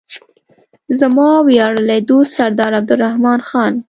زما ویاړلی دوست سردار عبدالرحمن خان.